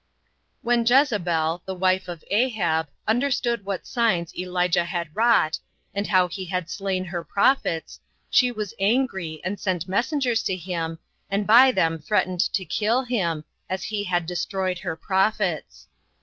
When Jezebel, the wife of Ahab, understood what signs Elijah had wrought, and how he had slain her prophets, she was angry, and sent messengers to him, and by them threatened to kill him, as he had destroyed her prophets.